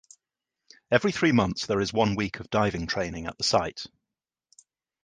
Every three months there is one week of diving training at the site.